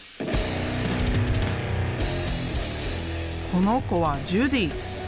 この子はジュディ。